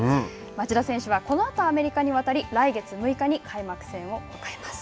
町田選手はこのあとアメリカに渡り来月６日に開幕戦を迎えます。